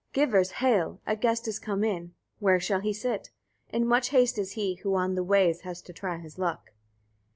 2. Givers, hail! A guest is come in: where shall he sit? In much haste is he, who on the ways has to try his luck.